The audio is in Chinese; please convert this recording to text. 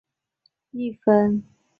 最终双方战平各得一分。